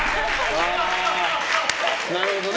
なるほどね。